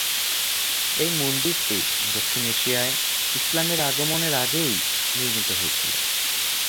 এই মন্দিরটি দক্ষিণ এশিয়ায় ইসলামের আগমনের আগেই নির্মিত হয়েছিল।